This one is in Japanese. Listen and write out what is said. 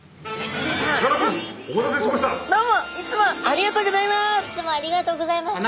どうもいつもありがとうございます！